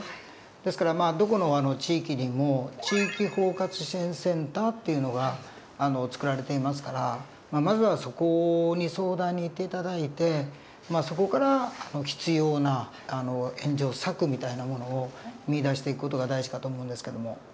ですからどこの地域にも地域包括支援センターっていうのが作られていますからまずはそこに相談に行って頂いてそこから必要な援助策みたいなものを見いだしていく事が大事かと思うんですけども。